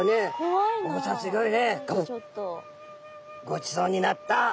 「ごちそうになった。